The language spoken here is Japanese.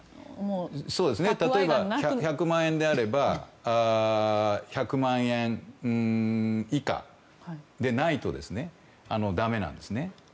１００万円であれば１００万円以下でないとだめなんですね。